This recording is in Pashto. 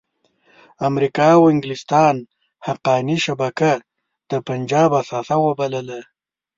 امریکا او انګلستان حقاني شبکه د پنجاب اثاثه وبلله.